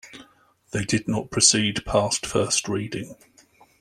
They did not proceed past first reading.